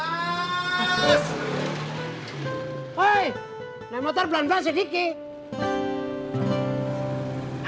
terus naik motor pelan pelan sedikit